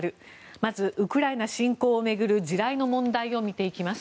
まずウクライナ侵攻を巡る地雷の問題を見ていきます。